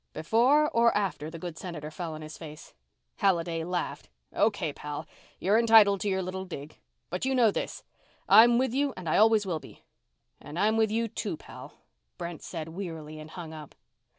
"Before or after the good Senator fell on his face?" Halliday laughed. "Okay, pal. You're entitled to your little dig. But you know this I'm with you and I always will be." "And I'm with you, too, pal," Brent said wearily and hung up.